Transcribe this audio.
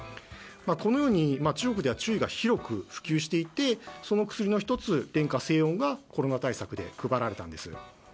このように、中国では中医が広く普及していて、その薬の１つ連花清おんがコロナ対策で配られたんです。